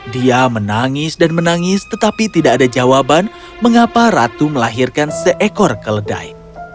dia menangis dan menangis tetapi tidak ada jawaban mengapa ratu melahirkan seekor keledai